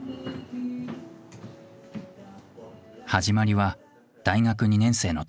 始まりは大学２年生の時。